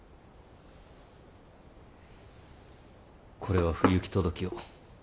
これは不行き届きを。